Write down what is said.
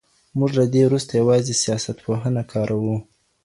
موږ له دې وروسته يوازي سياست پوهنه کاروو.